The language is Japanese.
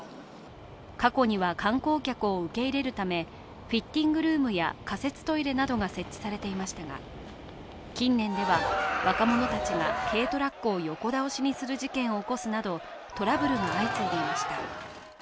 過去には観光客を受け入れるため、フィッティングルームや仮設トイレなどが設置されていましたが、近年では若者たちが軽トラックを横倒しにする事件を起こすなどトラブルが相次いでいました。